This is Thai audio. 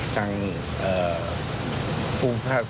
เพราะเดี๋ยวต้องดูก่อนสิ